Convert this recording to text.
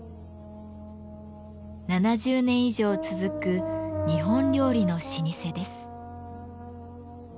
７０年以上続く日本料理の老舗です。